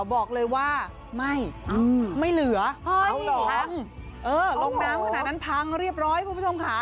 บอกเลยว่าไม่อืมไม่เหลือเอ้ยเออลองน้ำขณะนั้นพังเรียบร้อยคุณผู้ชมค่ะ